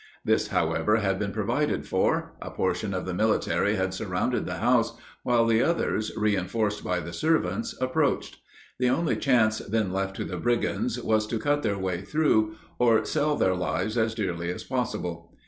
This, however, had been provided for; a portion of the military had surrounded the house, while the others, reinforced by the servants, approached. The only chance then left to the brigands was to cut their way through, or sell their lives as dearly as possible.